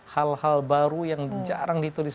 hal hal baru yang jarang ditulis